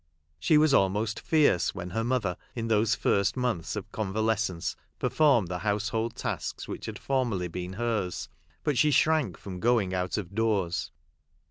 She was almost fierce when her mother, in those first months of convalescence, per formed the household tasks which had for merly been hers ; but she shrank from going out of doors.